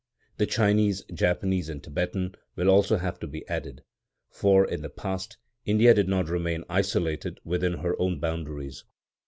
The Chinese, Japanese, and Tibetan will also have to be added; for, in the past, India did not remain isolated within her own boundaries.